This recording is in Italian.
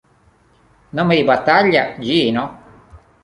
Nome di battaglia: Gino.